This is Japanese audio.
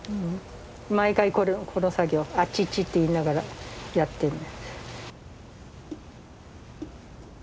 毎回この作業あっちっちって言いながらやってるの。